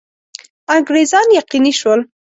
انګرېزان یقیني شول.